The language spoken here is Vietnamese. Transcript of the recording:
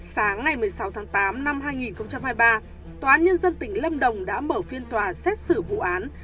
sáng ngày một mươi sáu tháng tám năm hai nghìn hai mươi ba tòa án nhân dân tỉnh lâm đồng đã mở phiên tòa xét xử vụ án